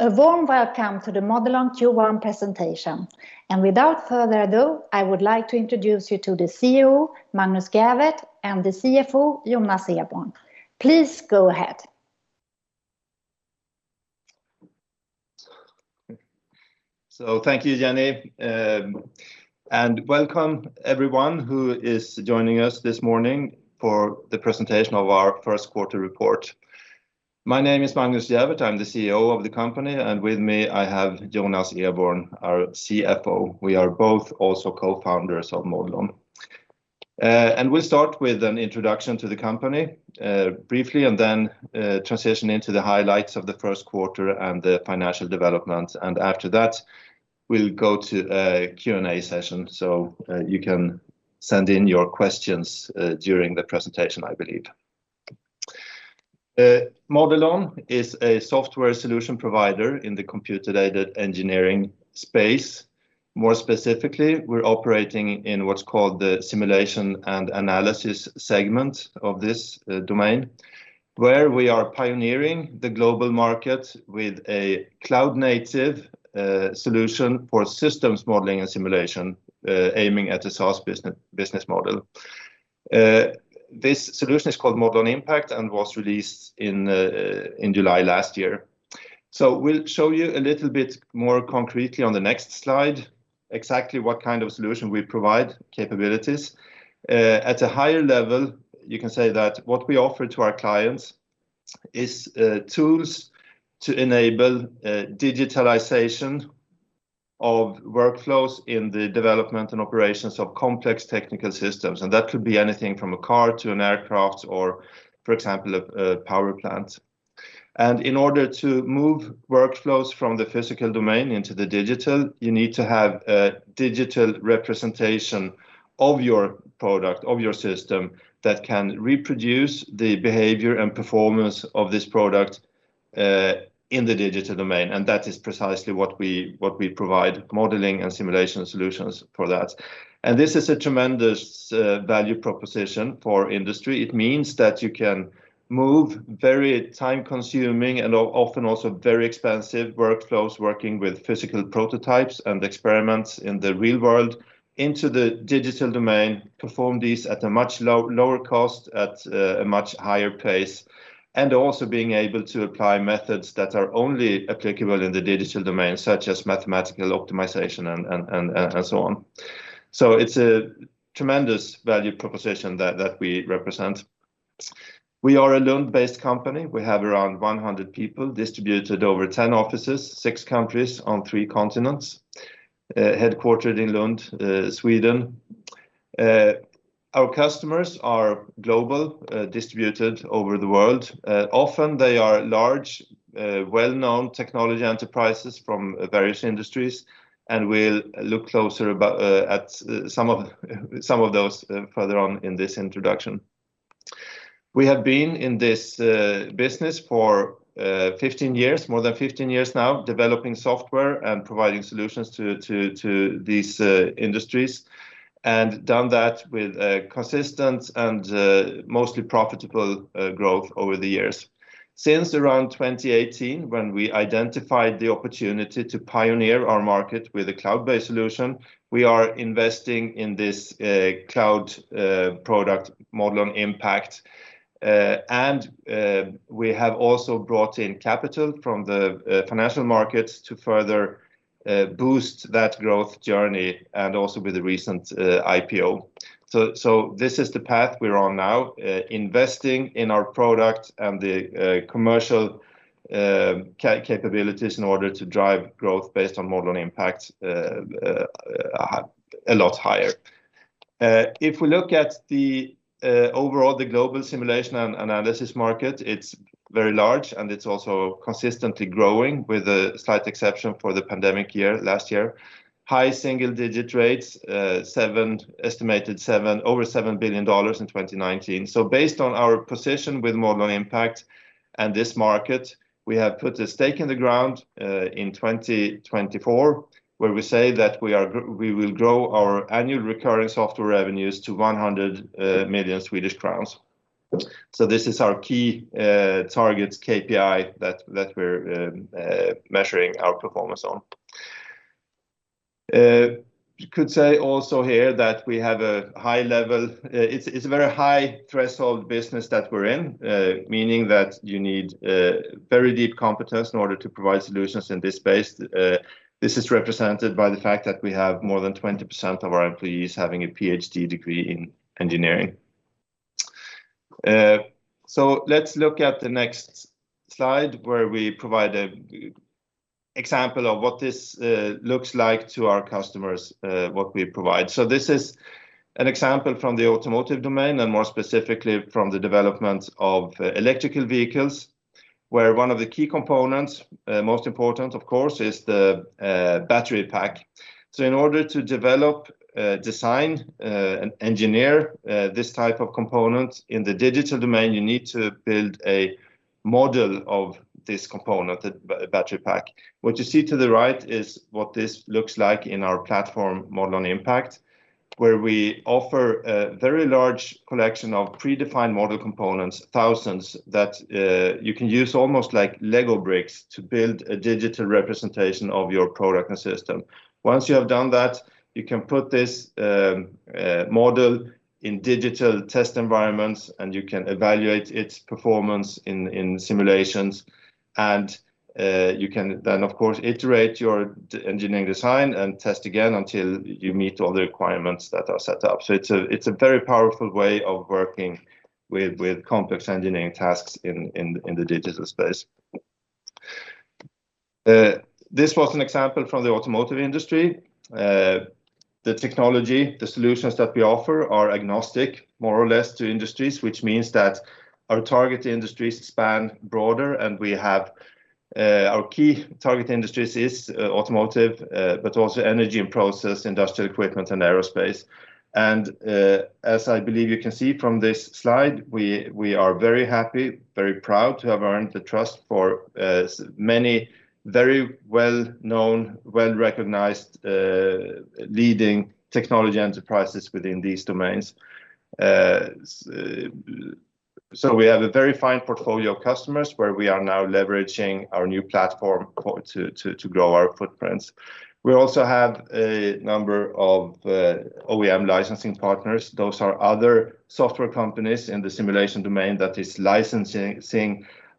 A warm welcome to the Modelon Q1 presentation. Without further ado, I would like to introduce you to the CEO, Magnus Gävert, and the CFO, Jonas Eborn. Please go ahead. Thank you, Jenny, and welcome everyone who is joining us this morning for the presentation of our first quarter report. My name is Magnus Gävert. I'm the CEO of the company, and with me, I have Jonas Eborn, our CFO. We are both also co-founders of Modelon. We'll start with an introduction to the company briefly and then transition into the highlights of the first quarter and the financial developments. After that, we'll go to a Q&A session, so you can send in your questions during the presentation, I believe. Modelon is a software solution provider in the computer-aided engineering space. More specifically, we're operating in what's called the simulation and analysis segment of this domain, where we are pioneering the global market with a cloud-native solution for systems modeling and simulation, aiming at a SaaS business model. This solution is called Modelon Impact and was released in July last year. We'll show you a little bit more concretely on the next slide exactly what kind of solution we provide, capabilities. At a higher level, you can say that what we offer to our clients is tools to enable digitalization of workflows in the development and operations of complex technical systems. That could be anything from a car to an aircraft or, for example, a power plant. In order to move workflows from the physical domain into the digital, you need to have a digital representation of your product, of your system that can reproduce the behavior and performance of this product in the digital domain. That is precisely what we provide modeling and simulation solutions for that. This is a tremendous value proposition for industry. It means that you can move very time-consuming and often also very expensive workflows, working with physical prototypes and experiments in the real world into the digital domain, perform these at a much lower cost, at a much higher pace, and also being able to apply methods that are only applicable in the digital domain, such as mathematical optimization and so on. It's a tremendous value proposition that we represent. We are a Lund-based company. We have around 100 people distributed over 10 offices, six countries on three continents, headquartered in Lund, Sweden. Our customers are global, distributed over the world. Often they are large, well-known technology enterprises from various industries, and we'll look closer at some of those further on in this introduction. We have been in this business for more than 15 years now, developing software and providing solutions to these industries. Done that with consistent and mostly profitable growth over the years. Since around 2018, when we identified the opportunity to pioneer our market with a cloud-based solution, we are investing in this cloud product, Modelon Impact. We have also brought in capital from the financial markets to further boost that growth journey and also with the recent IPO. This is the path we're on now, investing in our product and the commercial capabilities in order to drive growth based on Modelon Impact a lot higher. If we look at the overall global simulation and analysis market, it's very large, and it's also consistently growing with a slight exception for the pandemic year last year. High single-digit rates, estimated over SEK 7 billion in 2019. Based on our position with Modelon Impact and this market, we have put a stake in the ground in 2024 where we say that we will grow our annual recurring software revenues to 100 million Swedish crowns. This is our key targets KPI that we're measuring our performance on. You could say also here that it's a very high-threshold business that we're in, meaning that you need very deep competence in order to provide solutions in this space. This is represented by the fact that we have more than 20% of our employees having a PhD degree in engineering. Let's look at the next slide where we provide an example of what this looks like to our customers, what we provide. This is an example from the automotive domain and more specifically from the development of electrical vehicles, where one of the key components, most important of course, is the battery pack. In order to develop, design, and engineer this type of component in the digital domain, you need to build a model of this component, the battery pack. What you see to the right is what this looks like in our platform Modelon Impact, where we offer a very large collection of predefined model components, thousands that you can use almost like Lego bricks to build a digital representation of your product and system. Once you have done that, you can put this model in digital test environments, and you can evaluate its performance in simulations, and you can then, of course, iterate your engineering design and test again until you meet all the requirements that are set up. It's a very powerful way of working with complex engineering tasks in the digital space. This was an example from the automotive industry. The technology, the solutions that we offer are agnostic more or less to industries, which means that our target industries span broader, our key target industries is automotive but also energy and process, industrial equipment, and aerospace. As I believe you can see from this slide, we are very happy, very proud to have earned the trust for many very well-known, well-recognized, leading technology enterprises within these domains. We have a very fine portfolio of customers where we are now leveraging our new platform to grow our footprints. We also have a number of OEM licensing partners. Those are other software companies in the simulation domain that is licensing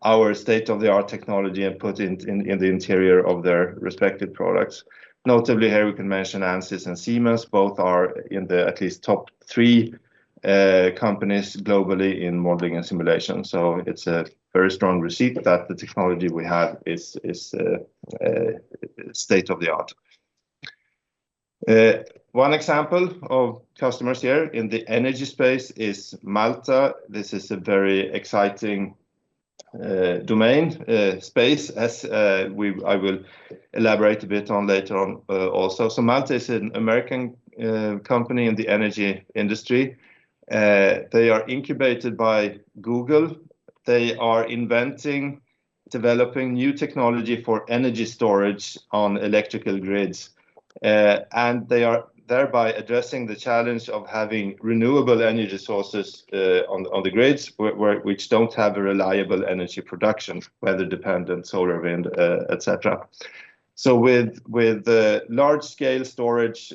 our state-of-the-art technology and put in the interior of their respective products. Notably here, we can mention Ansys and Siemens, both are in the at least top three companies globally in modeling and simulation. It's a very strong testament that the technology we have is state of the art. One example of customers here in the energy space is Malta. This is a very exciting domain space, as I will elaborate a bit on later on also. Malta is an American company in the energy industry. They are incubated by Google. They are inventing, developing new technology for energy storage on electrical grids. They are thereby addressing the challenge of having renewable energy sources on the grids, which don't have a reliable energy production, weather-dependent, solar, wind, et cetera. With large-scale storage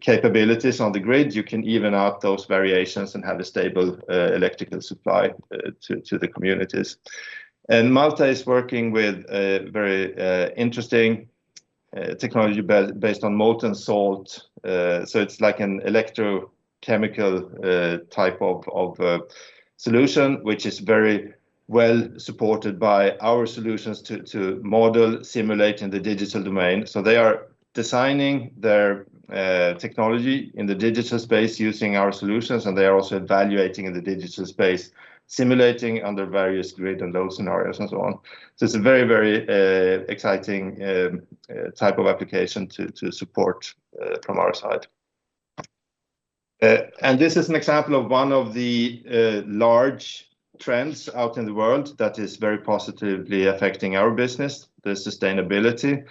capabilities on the grids, you can even out those variations and have a stable electrical supply to the communities. Malta is working with very interesting technology based on molten salt. It's like an electrochemical type of solution, which is very well supported by our solutions to model simulate in the digital domain. They are designing their technology in the digital space using our solutions, and they are also evaluating the digital space, simulating under various grid and load scenarios and so on. It's a very exciting type of application to support from our side. This is an example of one of the large trends out in the world that is very positively affecting our business, the sustainability.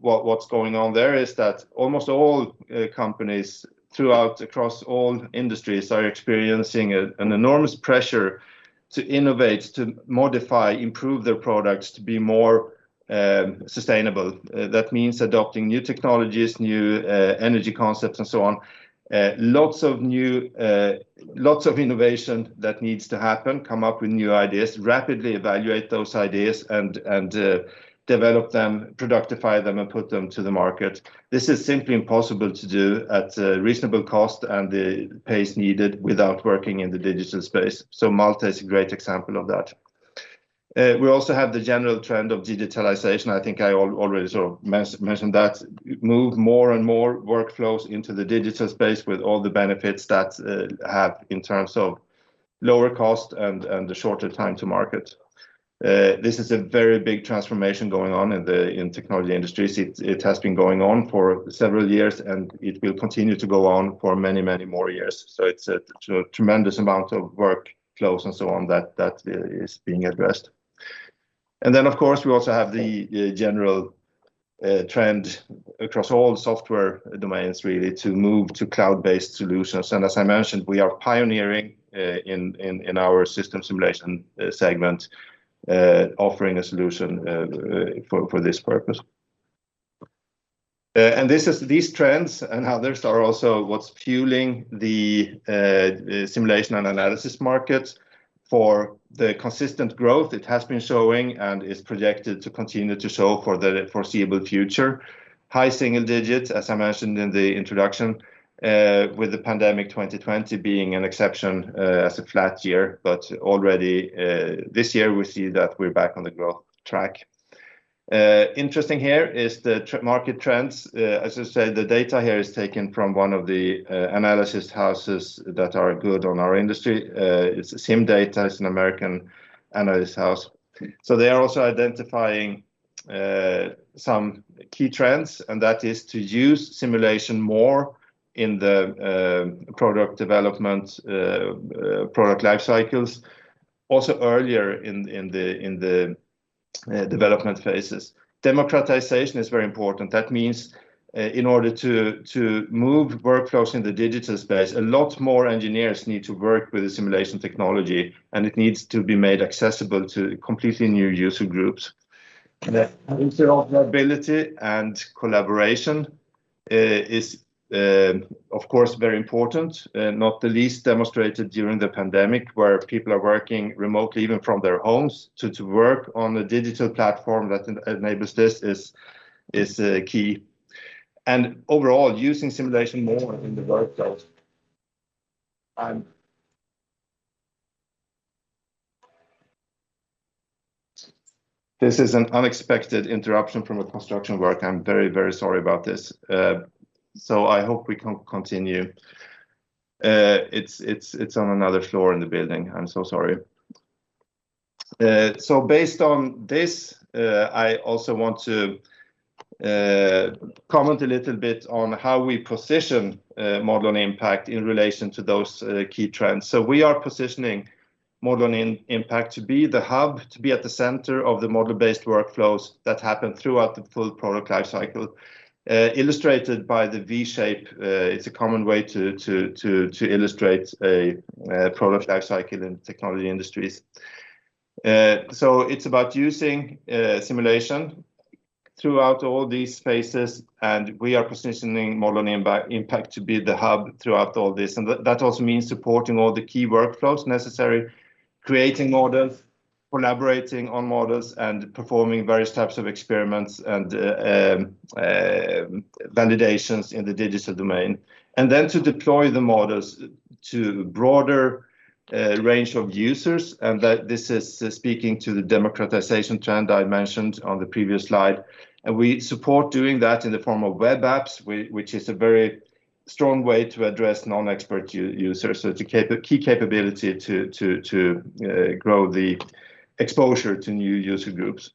What's going on there is that almost all companies throughout, across all industries, are experiencing an enormous pressure to innovate, to modify, improve their products to be more sustainable. That means adopting new technologies, new energy concepts, and so on. Lots of innovation that needs to happen, come up with new ideas, rapidly evaluate those ideas, and develop them, productify them, and put them to the market. This is simply impossible to do at a reasonable cost and the pace needed without working in the digital space. Malta is a great example of that. We also have the general trend of digitalization. I think I already sort of mentioned that. Move more and more workflows into the digital space with all the benefits that have in terms of lower cost and the shorter time to market. This is a very big transformation going on in technology industries. It has been going on for several years, and it will continue to go on for many more years. It's a tremendous amount of workflows and so on that is being addressed. Then, of course, we also have the general trend across all software domains really to move to cloud-based solutions. As I mentioned, we are pioneering in our system simulation segment, offering a solution for this purpose. These trends and others are also what's fueling the simulation and analysis market for the consistent growth it has been showing and is projected to continue to show for the foreseeable future. High single digits, as I mentioned in the introduction, with the pandemic 2020 being an exception as a flat year, but already this year, we see that we're back on the growth track. Interesting here is the market trends. As I said, the data here is taken from one of the analysis houses that are good on our industry. CIMdata is an American analysis house. They're also identifying some key trends, and that is to use simulation more in the product development product life cycles. Earlier in the development phases. Democratization is very important. That means in order to move workflows in the digital space, a lot more engineers need to work with the simulation technology, and it needs to be made accessible to completely new user groups. The interoperability and collaboration is, of course, very important, not the least demonstrated during the pandemic, where people are working remotely, even from their homes. To work on a digital platform that enables this is key. Overall, using simulation more in the workflow. This is an unexpected interruption from a construction work. I'm very sorry about this. I hope we can continue. It's on another floor in the building. I'm so sorry. Based on this, I also want to comment a little bit on how we position Modelon Impact in relation to those key trends. We are positioning Modelon Impact to be the hub, to be at the center of the model-based workflows that happen throughout the full product life cycle, illustrated by the V shape. It's a common way to illustrate a product life cycle in technology industries. It's about using simulation throughout all these phases, and we are positioning Modelon Impact to be the hub throughout all this. That also means supporting all the key workflows necessary, creating models, collaborating on models, and performing various types of experiments and validations in the digital domain. Then to deploy the models to a broader range of users, and that this is speaking to the democratization trend I mentioned on the previous slide. We support doing that in the form of web apps, which is a very strong way to address non-expert users. It's a key capability to grow the exposure to new user groups.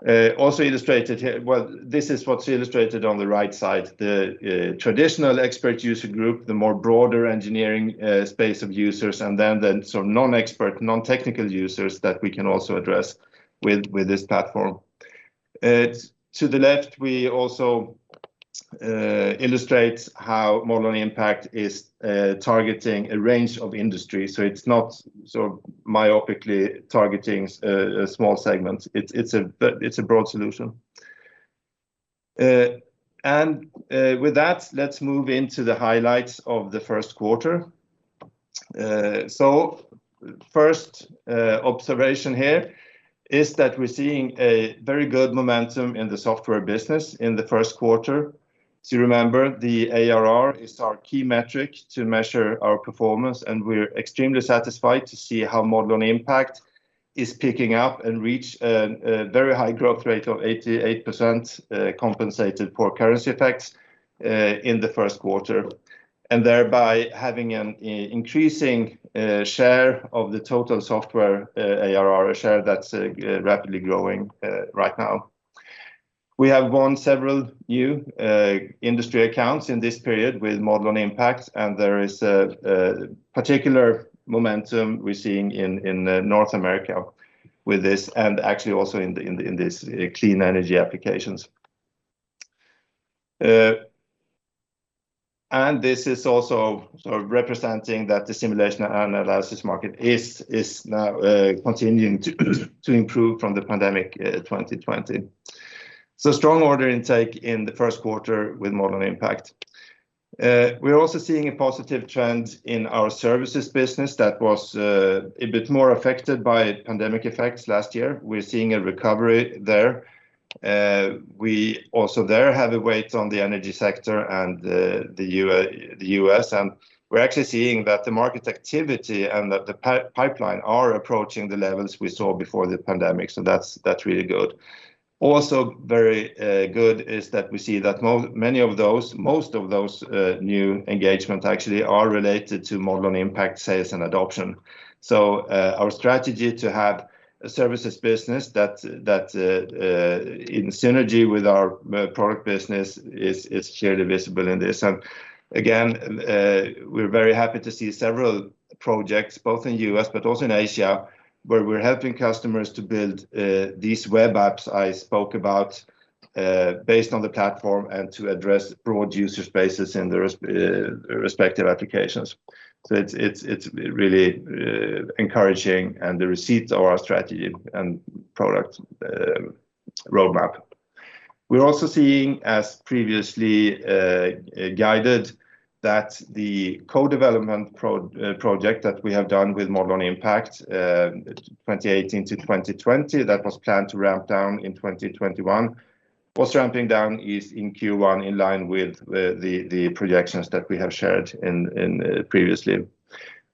This is what's illustrated on the right side. The traditional expert user group, the more broader engineering space of users, and then the non-expert, non-technical users that we can also address with this platform. To the left, we also illustrate how Modelon Impact is targeting a range of industries. It's not myopically targeting a small segment. It's a broad solution. With that, let's move into the highlights of the first quarter. First observation here is that we're seeing a very good momentum in the software business in the first quarter. Remember, the ARR is our key metric to measure our performance, and we're extremely satisfied to see how Modelon Impact is picking up and reach a very high growth rate of 88% compensated constant currency effects in the first quarter. Thereby having an increasing share of the total software ARR share that's rapidly growing right now. We have won several new industry accounts in this period with Modelon Impact, and there is a particular momentum we're seeing in North America with this and actually also in this clean energy applications. This is also representing that the simulation and analysis market is now continuing to improve from the pandemic 2020. Strong order intake in the first quarter with Modelon Impact. We're also seeing a positive trend in our services business that was a bit more affected by pandemic effects last year. We're seeing a recovery there. We also there have a weight on the energy sector and the U.S., we're actually seeing that the market activity and that the pipeline are approaching the levels we saw before the pandemic. That's really good. Also very good is that we see that most of those new engagements actually are related to Modelon Impact sales and adoption. Our strategy to have a services business that's in synergy with our product business is clearly visible in this. Again, we're very happy to see several projects, both in U.S. but also in Asia, where we're helping customers to build these web apps I spoke about based on the platform and to address broad user spaces in their respective applications. It's really encouraging and the receipts of our strategy and product roadmap. We're also seeing, as previously guided, that the co-development project that we have done with Modelon Impact 2018-2020, that was planned to ramp down in 2021, was ramping down in Q1 in line with the projections that we have shared previously.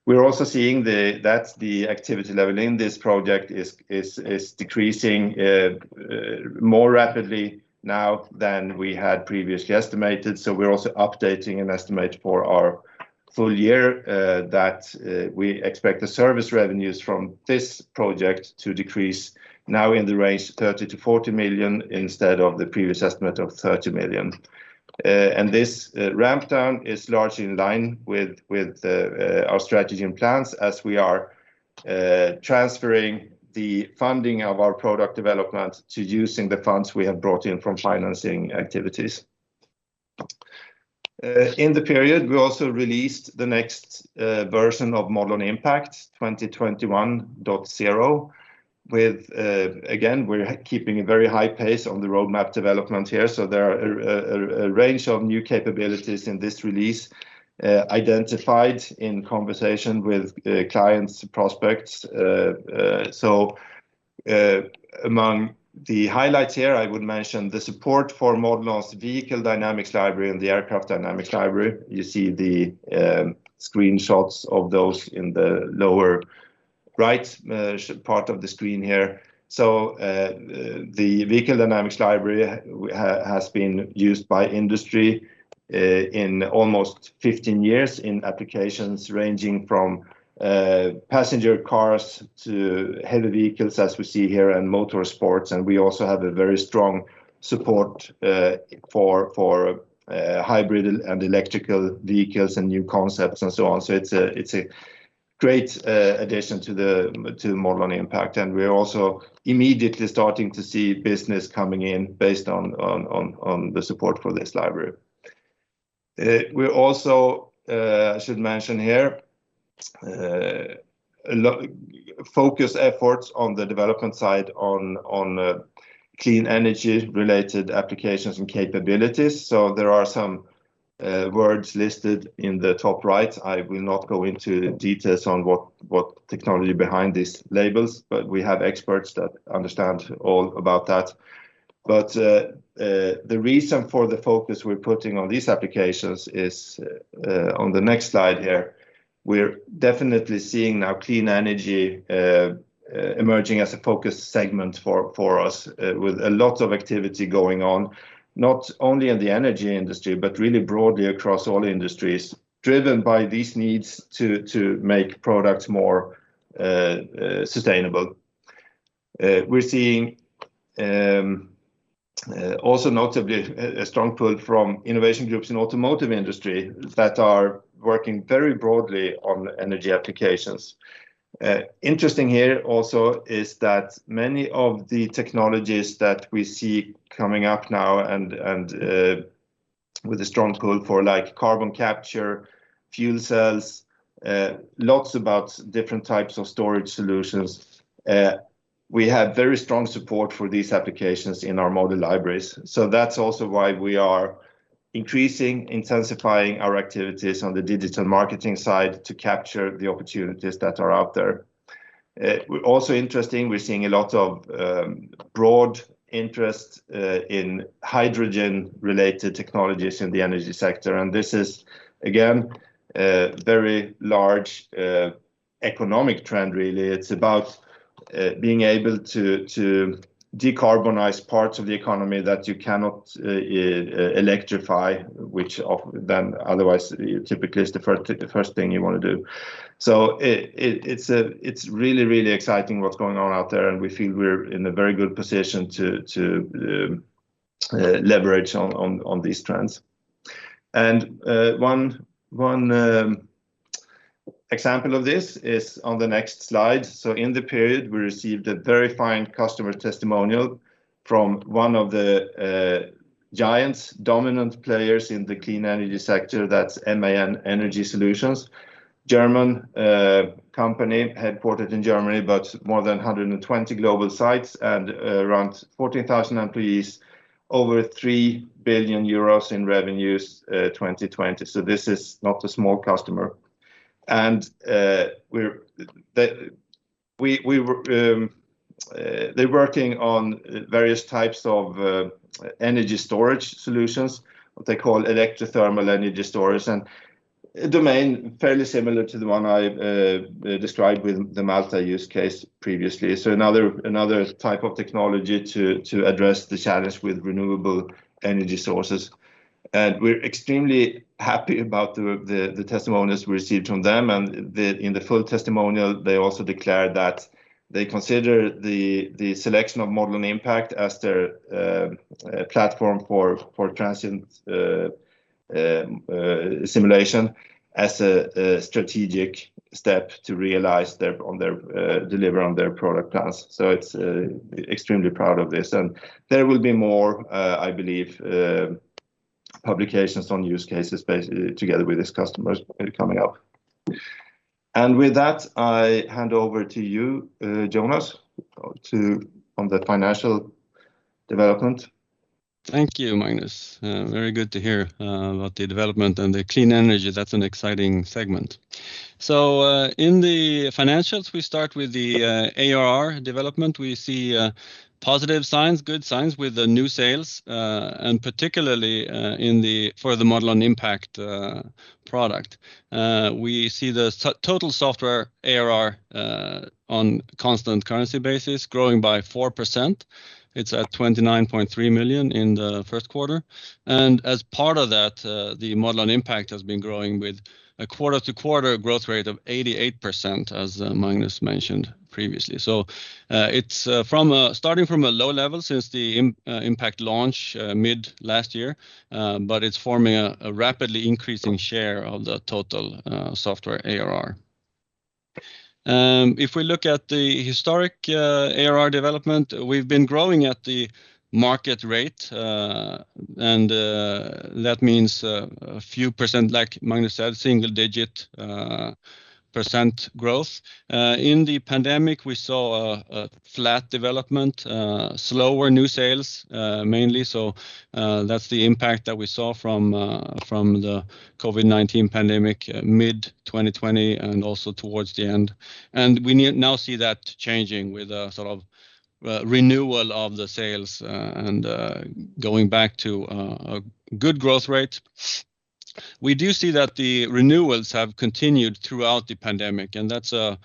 We're also seeing that the activity level in this project is decreasing more rapidly now than we had previously estimated. We're also updating an estimate for our full year that we expect the service revenues from this project to decrease now in the range of 30 million-40 million instead of the previous estimate of 30 million. This ramp down is largely in line with our strategy and plans as we are transferring the funding of our product development to using the funds we have brought in from financing activities. In the period, we also released the next version of Modelon Impact 2021.0 with, again, we're keeping a very high pace on the roadmap development here. There are a range of new capabilities in this release identified in conversation with clients, prospects. Among the highlights here, I would mention the support for Modelon's Vehicle Dynamics Library and the Aircraft Dynamics Library. You see the screenshots of those in the lower right part of the screen here. The Vehicle Dynamics Library has been used by industry in almost 15 years in applications ranging from passenger cars to heavy vehicles as we see here, and motorsports. We also have a very strong support for hybrid and electrical vehicles and new concepts and so on. It's a great addition to Modelon Impact, and we're also immediately starting to see business coming in based on the support for this library. We also, I should mention here, focus efforts on the development side on clean energy related applications and capabilities. There are some words listed in the top right. I will not go into details on what technology behind these labels, but we have experts that understand all about that. The reason for the focus we're putting on these applications is on the next slide here. We're definitely seeing now clean energy emerging as a focus segment for us with a lot of activity going on, not only in the energy industry, but really broadly across all industries, driven by these needs to make products more sustainable. We're seeing also notably a strong pull from innovation groups in automotive industry that are working very broadly on energy applications. Interesting here also is that many of the technologies that we see coming up now and with a strong pull for like carbon capture, fuel cells, lots about different types of storage solutions. We have very strong support for these applications in our model libraries. That's also why we are increasing, intensifying our activities on the digital marketing side to capture the opportunities that are out there. Also interesting, we're seeing a lot of broad interest in hydrogen-related technologies in the energy sector. This is, again, a very large economic trend really. It's about being able to decarbonize parts of the economy that you cannot electrify, which often then otherwise typically is the first thing you want to do. It's really exciting what's going on out there, and we feel we're in a very good position to leverage on these trends. One example of this is on the next slide. In the period, we received a very fine customer testimonial from one of the giants, dominant players in the clean energy sector, that's MAN Energy Solutions, German company, headquartered in Germany, but more than 120 global sites and around 14,000 employees, over 3 billion euros in revenues 2020. This is not a small customer. They're working on various types of energy storage solutions, what they call electrothermal energy storage, and a domain fairly similar to the one I described with the Malta use case previously. Another type of technology to address the challenge with renewable energy sources. We're extremely happy about the testimonies we received from them. In the full testimonial, they also declared that they consider the selection of Modelon Impact as their platform for transient simulation as a strategic step to realize on their delivery, on their product plans. Extremely proud of this. There will be more, I believe, publications on use cases together with these customers coming up. With that, I hand over to you, Jonas, on the financial development. Thank you, Magnus. Very good to hear about the development and the clean energy. That's an exciting segment. In the financials, we start with the ARR development. We see positive signs, good signs with the new sales, and particularly for the Modelon Impact product. We see the total software ARR on a constant currency basis growing by 4%. It's at 29.3 million in the first quarter. As part of that, the Modelon Impact has been growing with a quarter-to-quarter growth rate of 88%, as Magnus mentioned previously. It's starting from a low level since the Impact launch mid last year, but it's forming a rapidly increasing share of the total software ARR. If we look at the historic ARR development, we've been growing at the market rate, and that means a few percent, like Magnus said, single-digit percent growth. In the pandemic, we saw a flat development, slower new sales mainly. That's the impact that we saw from the COVID-19 pandemic mid-2020 and also towards the end. We now see that changing with a sort of renewal of the sales and going back to a good growth rate. We do see that the renewals have continued throughout the pandemic, and that's a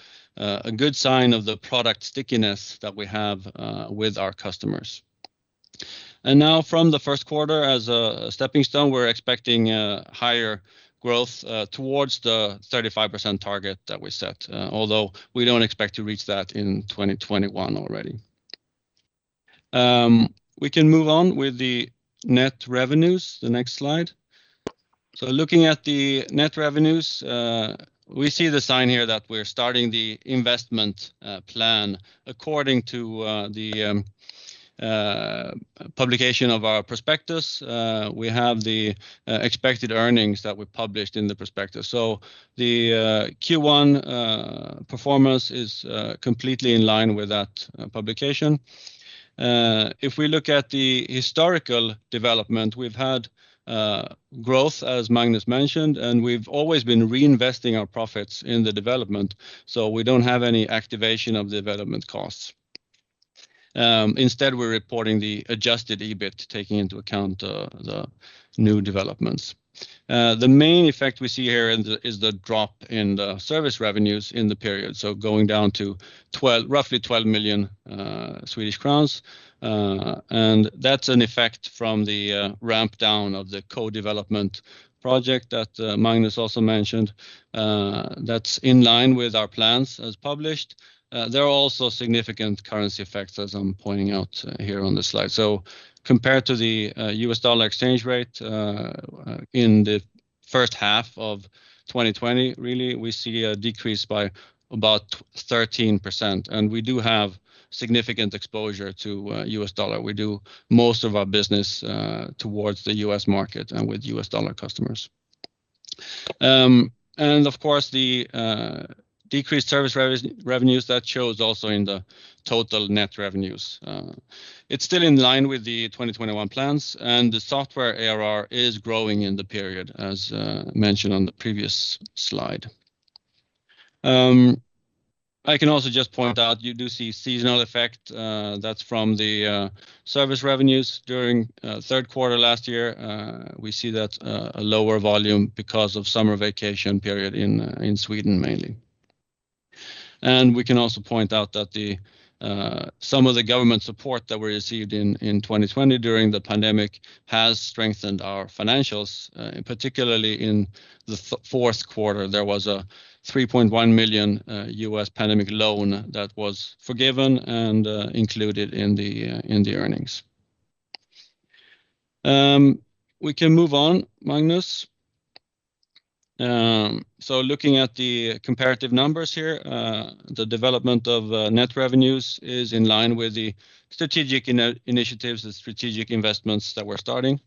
good sign of the product stickiness that we have with our customers. Now from the first quarter, as a stepping stone, we're expecting a higher growth towards the 35% target that we set, although we don't expect to reach that in 2021 already. We can move on with the net revenues, the next slide. Looking at the net revenues, we see the sign here that we're starting the investment plan according to the publication of our prospectus. We have the expected earnings that we published in the prospectus. The Q1 performance is completely in line with that publication. If we look at the historical development, we've had growth, as Magnus mentioned, and we've always been reinvesting our profits in the development, so we don't have any activation of development costs. Instead, we're reporting the adjusted EBIT, taking into account the new developments. The main effect we see here is the drop in the service revenues in the period, so going down to roughly 12 million Swedish crowns. That's an effect from the ramp down of the co-development project that Magnus also mentioned. That's in line with our plans as published. There are also significant currency effects, as I'm pointing out here on the slide. Compared to the U.S. dollar exchange rate in the first half of 2020, really, we see a decrease by about 13%, and we do have significant exposure to U.S. dollar. We do most of our business towards the U.S. market and with U.S. dollar customers. Of course, the decreased service revenues, that shows also in the total net revenues. It's still in line with the 2021 plans, and the software ARR is growing in the period, as mentioned on the previous slide. I can also just point out you do see a seasonal effect. That's from the service revenues during third quarter last year. We see that's a lower volume because of summer vacation period in Sweden mainly. We can also point out that some of the government support that we received in 2020 during the pandemic has strengthened our financials, particularly in the fourth quarter. There was a $3.1 million U.S. pandemic loan that was forgiven and included in the earnings. We can move on, Magnus. Looking at the comparative numbers here, the development of net revenues is in line with the strategic initiatives and strategic investments that we're starting.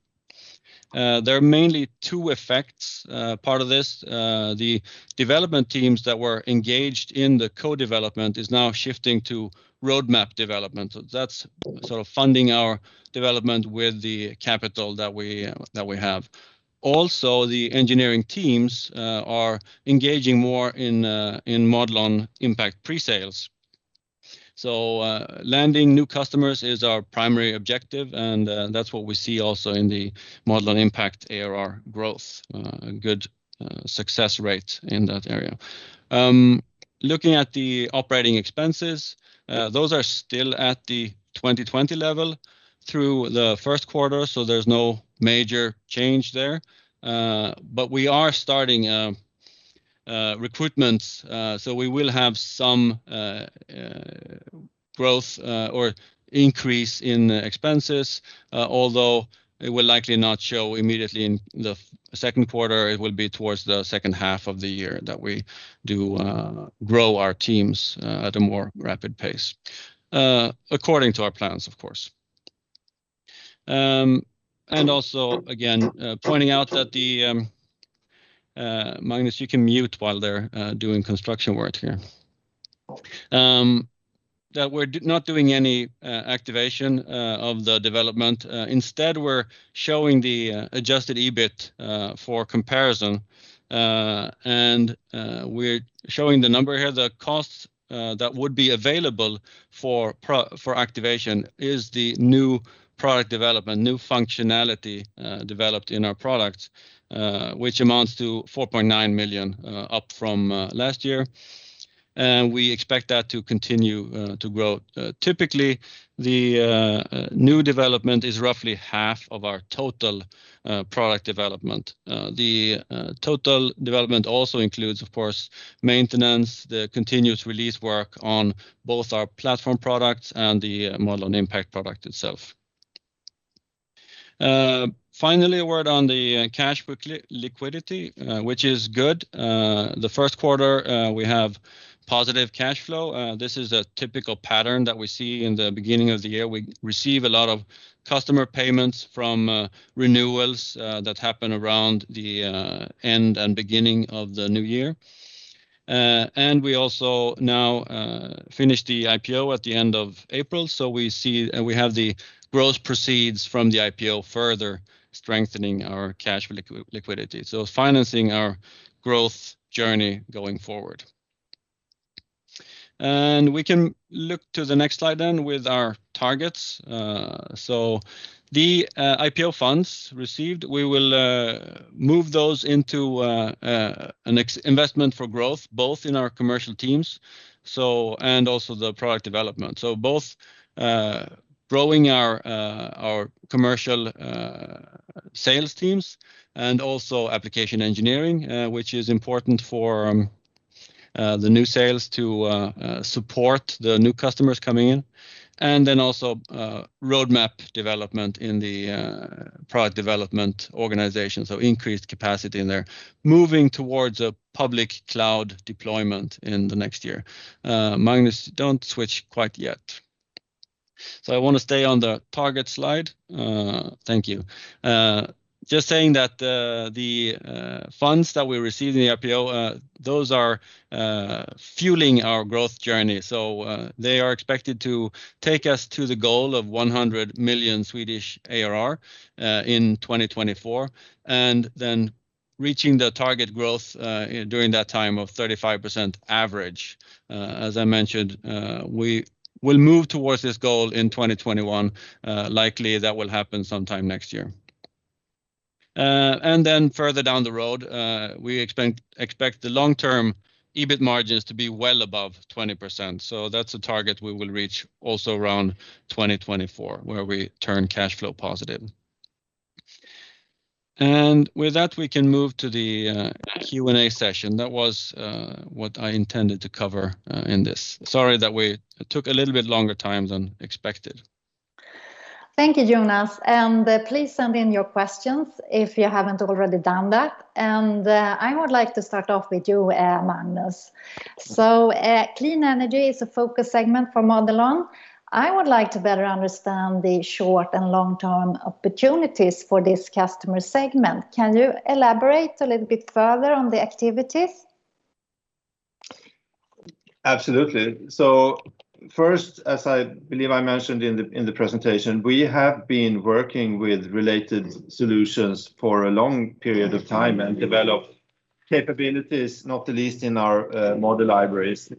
There are mainly two effects. Part of this, the development teams that were engaged in the co-development is now shifting to roadmap development. That's sort of funding our development with the capital that we have. Also, the engineering teams are engaging more in Modelon Impact pre-sales. Landing new customers is our primary objective, and that's what we see also in the Modelon Impact ARR growth, good success rates in that area. Looking at the operating expenses, those are still at the 2020 level through the first quarter, so there's no major change there. We are starting recruitments, so we will have some growth or increase in expenses, although it will likely not show immediately in the second quarter. It will be towards the second half of the year that we do grow our teams at a more rapid pace, according to our plans, of course. Also, again, pointing out that Magnus, you can mute while they're doing construction work here. We're not doing any activation of the development. Instead, we're showing the adjusted EBIT for comparison, and we're showing the number here, the costs that would be available for activation is the new product development, new functionality developed in our product which amounts to 4.9 million up from last year. We expect that to continue to grow. Typically, the new development is roughly half of our total product development. The total development also includes, of course, maintenance, the continuous release work on both our platform products and the Modelon Impact product itself. Finally, a word on the cash liquidity, which is good. The first quarter, we have positive cash flow. This is a typical pattern that we see in the beginning of the year. We receive a lot of customer payments from renewals that happen around the end and beginning of the new year. We also now finished the IPO at the end of April, so we have the gross proceeds from the IPO further strengthening our cash liquidity. It's financing our growth journey going forward. We can look to the next slide then with our targets. The IPO funds received, we will move those into an investment for growth, both in our commercial teams and also the product development. Both growing our commercial sales teams and also application engineering, which is important for the new sales to support the new customers coming in. Also roadmap development in the product development organization, so increased capacity there. Moving towards a public cloud deployment in the next year. Magnus, don't switch quite yet. I want to stay on the target slide. Thank you. Just saying that the funds that we received in the IPO, those are fueling our growth journey. They are expected to take us to the goal of 100 million ARR in 2024, and then reaching the target growth during that time of 35% average. As I mentioned, we will move towards this goal in 2021. Likely that will happen sometime next year. Further down the road, we expect the long-term EBIT margins to be well above 20%. That's a target we will reach also around 2024, where we turn cash flow positive. With that, we can move to the Q&A session. That was what I intended to cover in this. Sorry that it took a little bit longer time than expected. Thank you, Jonas, and please send in your questions if you haven't already done that. I would like to start off with you, Magnus. Clean energy is a focus segment for Modelon. I would like to better understand the short and long-term opportunities for this customer segment. Can you elaborate a little bit further on the activities? Absolutely. First, as I believe I mentioned in the presentation, we have been working with related solutions for a long period of time and developed capabilities, not the least in our model libraries.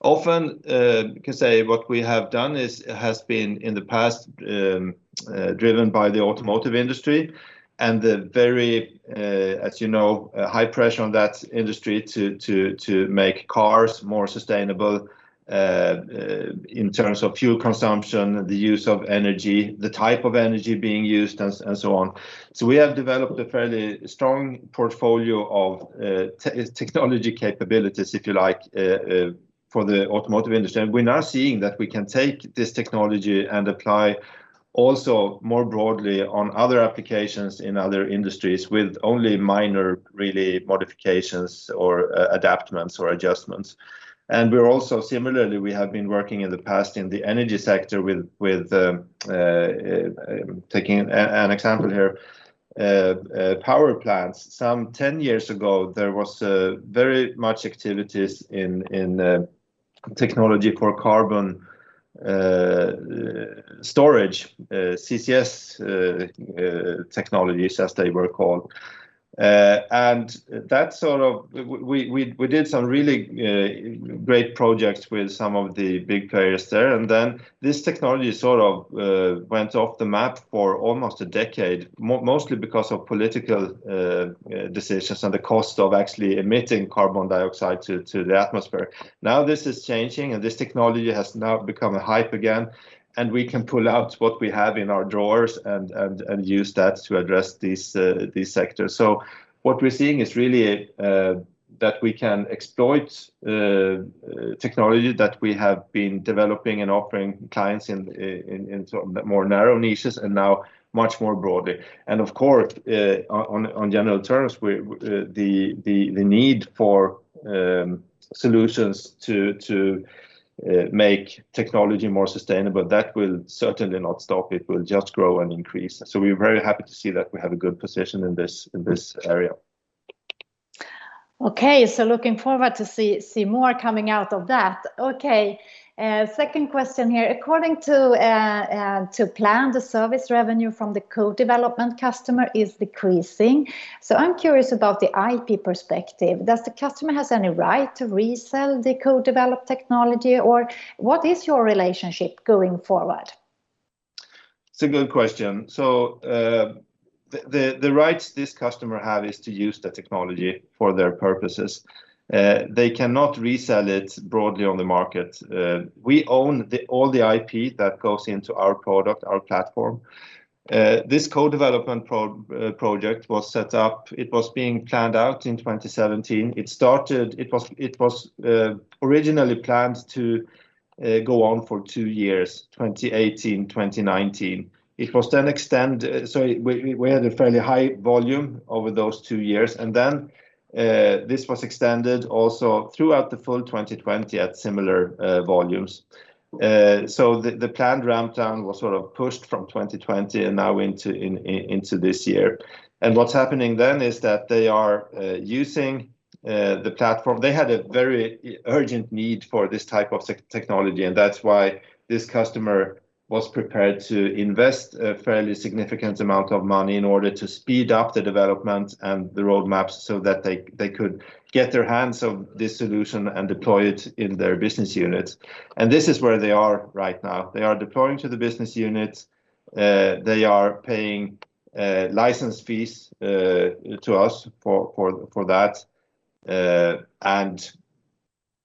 Often, you can say what we have done has been in the past driven by the automotive industry and the very, as you know, high pressure on that industry to make cars more sustainable in terms of fuel consumption, the use of energy, the type of energy being used, and so on. We have developed a fairly strong portfolio of technology capabilities, if you like, for the automotive industry. We're now seeing that we can take this technology and apply also more broadly on other applications in other industries with only minor, really, modifications or adaptments or adjustments. We're also similarly, we have been working in the past in the energy sector with, taking an example here, power plants. Some 10 years ago, there was very much activities in technology for carbon storage, CCS technologies, as they were called. We did some really great projects with some of the big players there. This technology sort of went off the map for almost a decade, mostly because of political decisions and the cost of actually emitting carbon dioxide to the atmosphere. Now this is changing, and this technology has now become hype again, and we can pull out what we have in our drawers and use that to address these sectors. What we're seeing is really that we can exploit technology that we have been developing and offering clients in more narrow niches and now much more broadly. Of course, on general terms, the need for solutions to make technology more sustainable, that will certainly not stop. It will just grow and increase. We're very happy to see that we have a good position in this area. Okay. Looking forward to see more coming out of that. Second question here. According to plan, the service revenue from the co-development customer is decreasing. I'm curious about the IP perspective. Does the customer have any right to resell the co-developed technology, or what is your relationship going forward? It's a good question. The rights this customer have is to use the technology for their purposes. They cannot resell it broadly on the market. We own all the IP that goes into our product, our platform. This co-development project was set up, it was being planned out in 2017. It was originally planned to go on for two years, 2018, 2019. We had a fairly high volume over those two years, and then this was extended also throughout the full 2020 at similar volumes. The planned ramp down was sort of pushed from 2020 and now into this year. What's happening then is that they are using the platform. They had a very urgent need for this type of technology, that's why this customer was prepared to invest a fairly significant amount of money in order to speed up the development and the roadmaps so that they could get their hands on this solution and deploy it in their business units. This is where they are right now. They are deploying to the business units. They are paying license fees to us for that.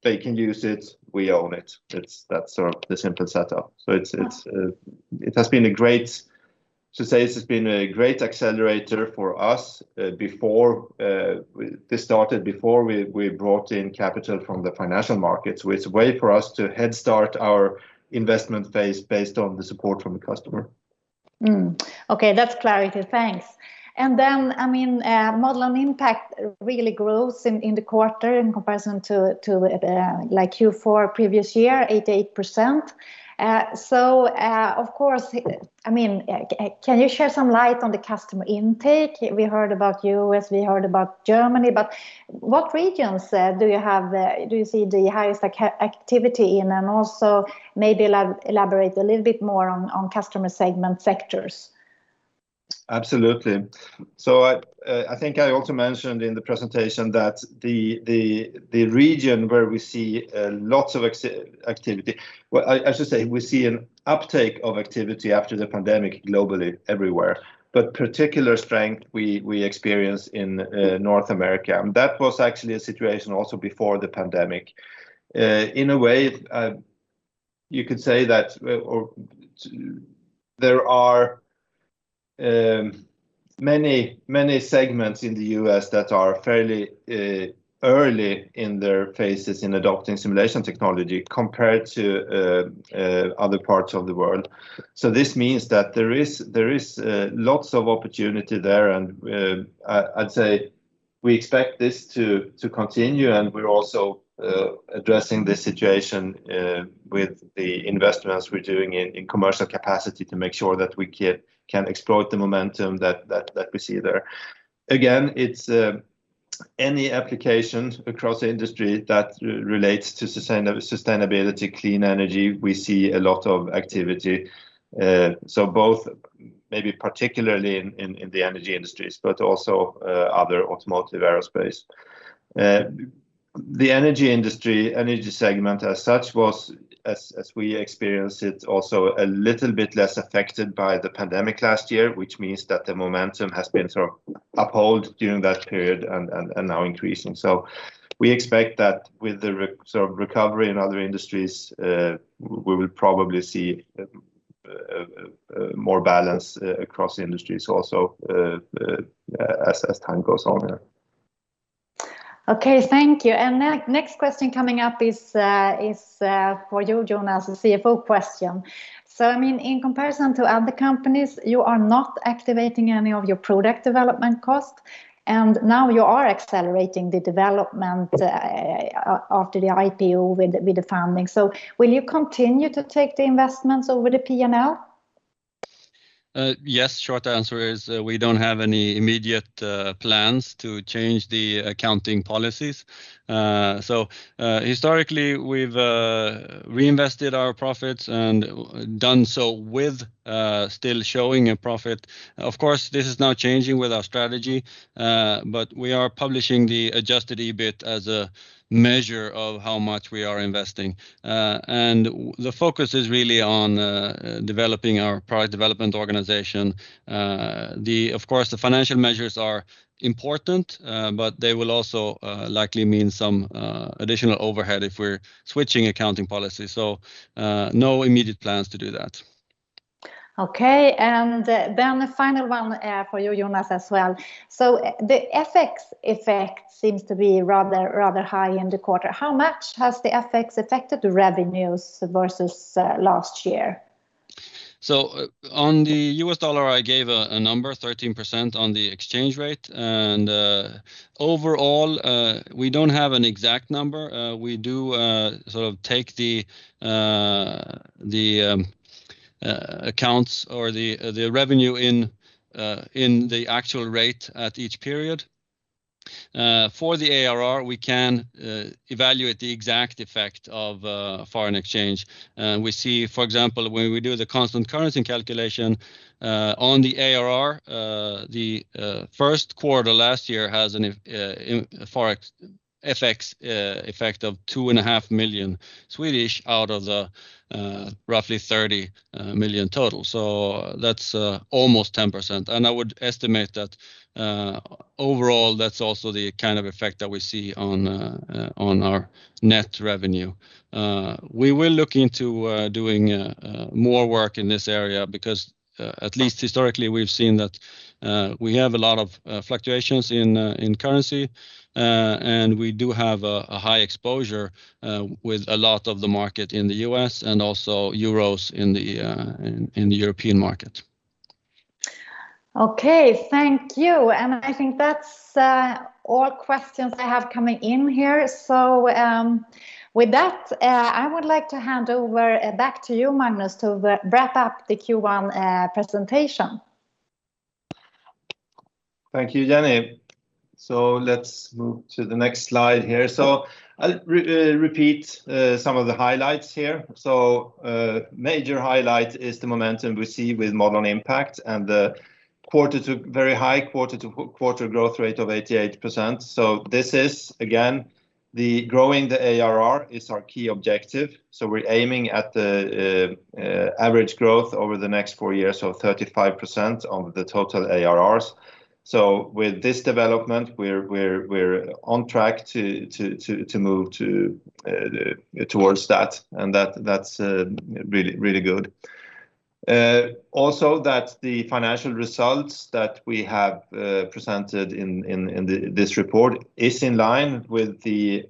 They can use it, we own it. That's sort of the simple setup. To say it has been a great accelerator for us. This started before we brought in capital from the financial markets, so it's a way for us to head start our investment phase based on the support from the customer. Okay. That's clarity. Thanks. Modelon Impact really grows in the quarter in comparison to Q4 previous year, 88%. Of course, can you share some light on the customer intake? We heard about U.S., we heard about Germany. What regions do you see the highest activity, and then also maybe elaborate a little bit more on customer segment sectors? Absolutely. I think I also mentioned in the presentation that the region where we see lots of activity, well, as I say, we see an uptake of activity after the pandemic globally everywhere, but particular strength we experience in North America, and that was actually a situation also before the pandemic. In a way, you could say that there are many segments in the U.S. that are fairly early in their phases in adopting simulation technology compared to other parts of the world. This means that there is lots of opportunity there, and I'd say we expect this to continue, and we're also addressing the situation with the investments we're doing in commercial capacity to make sure that we can explore the momentum that we see there. Again, it's any applications across industry that relates to sustainability, clean energy, we see a lot of activity. Both maybe particularly in the energy industries, but also other automotive, aerospace. The energy segment as such was, as we experienced it, also a little bit less affected by the pandemic last year, which means that the momentum has been sort of uphold during that period and now increasing. We expect that with the sort of recovery in other industries, we will probably see more balance across industries also as time goes on here. Okay, thank you. Next question coming up is for you, Jonas, a CFO question. In comparison to other companies, you are not activating any of your product development cost, and now you are accelerating the development after the IPO with the funding. Will you continue to take the investments over the P&L? Yes. Short answer is we don't have any immediate plans to change the accounting policies. Historically, we've reinvested our profits and done so with still showing a profit. Of course, this is now changing with our strategy, but we are publishing the adjusted EBIT as a measure of how much we are investing. The focus is really on developing our product development organization. Of course, the financial measures are important, but they will also likely mean some additional overhead if we're switching accounting policy. No immediate plans to do that. Okay, then the final one for you, Jonas, as well. The FX effect seems to be rather high in the quarter. How much has the FX affected the revenues versus last year? On the U.S. dollar, I gave a number, 13% on the exchange rate. Overall, we don't have an exact number. accounts or the revenue in the actual rate at each period. For the ARR, we can evaluate the exact effect of foreign exchange. We see, for example, when we do the constant currency calculation on the ARR, the first quarter last year has an FX effect of 2.5 million out of the roughly 30 million total. That's almost 10%. I would estimate that overall, that's also the kind of effect that we see on our net revenue. We will look into doing more work in this area because at least historically, we've seen that we have a lot of fluctuations in currency, and we do have a high exposure with a lot of the market in the U.S. and also EUR in the European market. Okay. Thank you. I think that's all questions I have coming in here. With that, I would like to hand over back to you, Magnus, to wrap up the Q1 presentation. Thank you, Jenny. Let's move to the next slide here. I'll repeat some of the highlights here. Major highlight is the momentum we see with Modelon Impact and the very high quarter-over-quarter growth rate of 88%. This is, again, growing the ARR is our key objective. We're aiming at the average growth over the next four years, so 35% of the total ARRs. With this development, we're on track to move towards that, and that's really good. Also, that the financial results that we have presented in this report is in line with the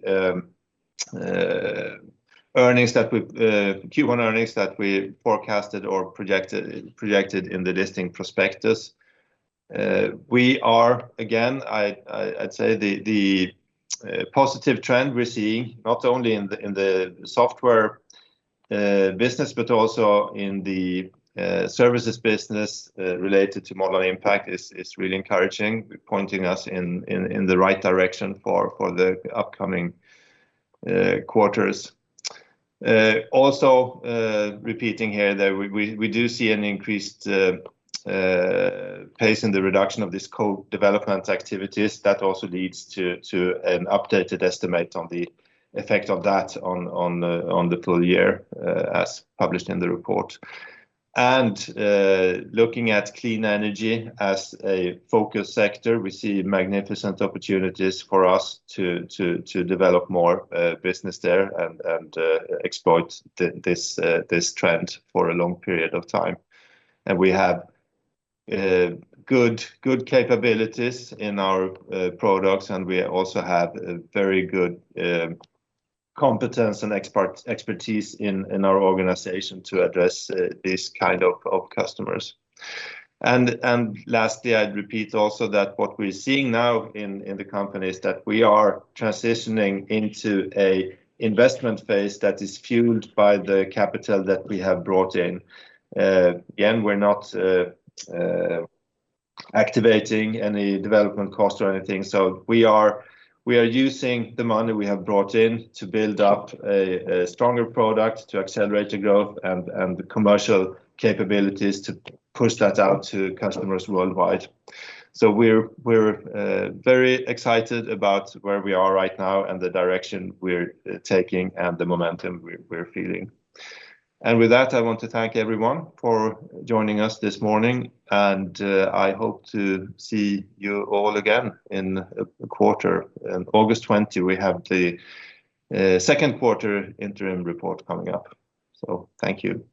Q1 earnings that we forecasted or projected in the listing prospectus. We are, again, I'd say the positive trend we're seeing, not only in the software business but also in the services business related to Modelon Impact is really encouraging, pointing us in the right direction for the upcoming quarters. Repeating here that we do see an increased pace in the reduction of these co-development activities. That also leads to an updated estimate on the effect of that on the full year as published in the report. Looking at clean energy as a focus sector, we see magnificent opportunities for us to develop more business there and exploit this trend for a long period of time. We have good capabilities in our products, and we also have very good competence and expertise in our organization to address these kind of customers. Lastly, I'd repeat also that what we're seeing now in the company is that we are transitioning into an investment phase that is fueled by the capital that we have brought in. Again, we're not activating any development cost or anything. We are using the money we have brought in to build up a stronger product to accelerate the growth and the commercial capabilities to push that out to customers worldwide. We're very excited about where we are right now and the direction we're taking and the momentum we're feeling. With that, I want to thank everyone for joining us this morning, and I hope to see you all again in a quarter. In August 20, we have the second quarter interim report coming up. Thank you.